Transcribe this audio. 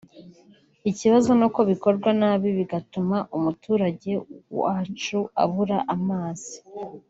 ikibazo ni uko bikorwa nabi bigatuma umuturage wacu abura amazi